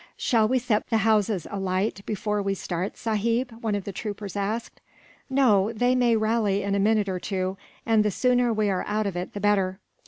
"Shall we set the houses alight, before we start, sahib?" one of the troopers asked. "No; they may rally in a minute or two, and the sooner we are out of it, the better."